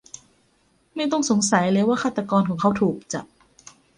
ไม่ต้องสงสัยเลยว่าฆาตกรของเขาถูกจับ